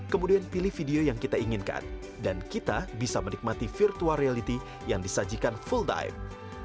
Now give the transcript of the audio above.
kemudian pilih video yang kita inginkan dan kita bisa menikmati virtual reality yang disajikan full dive